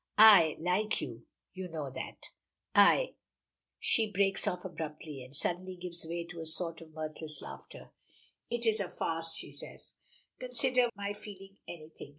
I like you, you know that. I " she breaks off abruptly, and suddenly gives way to a sort of mirthless laughter. "It is a farce!" she says. "Consider my feeling anything.